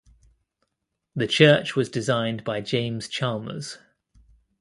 The church was designed by James Chalmers.